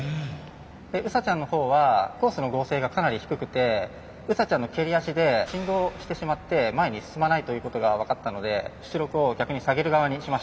ウサちゃんのほうはコースの剛性がかなり低くてウサちゃんの蹴り脚で振動してしまって前に進まないということが分かったので出力を逆に下げる側にしました。